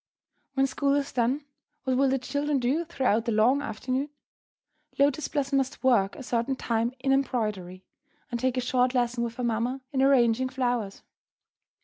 When school is done, what will the children do throughout the long afternoon? Lotus Blossom must work a certain time in embroidery, and take a short lesson with her mamma in arranging flowers.